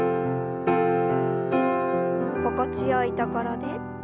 心地よいところで。